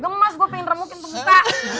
gemes gue pengen remukin temuka